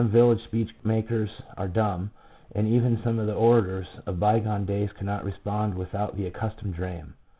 85 village speech makers are dumb, and even some of the orators of bygone days could not respond without the accustomed dram.